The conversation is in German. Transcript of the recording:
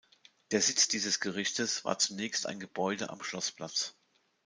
Der Sitz dieses Gerichtes war zunächst ein Gebäude am Schloßplatz.